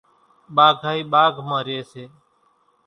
ٻاگھائِي ٻاگھ مان ريئيَ سي۔